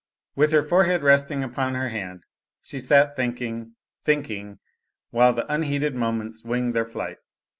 With her forehead resting upon her hand, she sat thinking, thinking, while the unheeded moments winged their flight.